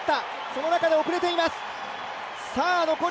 その中で遅れてます。